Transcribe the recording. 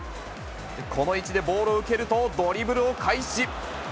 この位置でボールを受けると、ドリブルを開始。